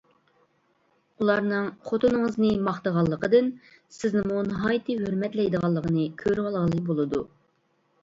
ئۇلارنىڭ خوتۇنىڭىزنى ماختىغانلىقىدىن سىزنىمۇ ناھايىتى ھۆرمەتلەيدىغانلىقىنى كۆرۈۋالغىلى بولىدۇ.